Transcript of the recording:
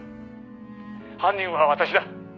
「犯人は私だ。